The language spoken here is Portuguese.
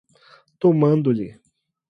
tomando-lhe